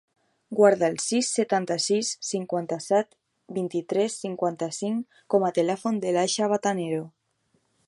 Guarda el sis, setanta-sis, cinquanta-set, vint-i-tres, cinquanta-cinc com a telèfon de l'Aixa Batanero.